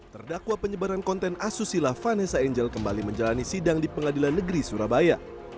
terdakwa penyebaran konten asusila vanessa angel kembali menjalani sidang di pengadilan negeri surabaya